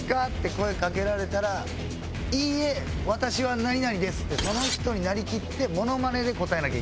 声かけられたら「いいえ私は何々です」ってその人になりきってモノマネで答えなきゃいけない。